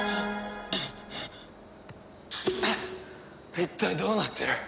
一体どうなっている。